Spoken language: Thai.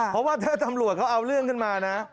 เพราะว่าถ้าตำรวจเขาเอาเรื่องขึ้นมานะ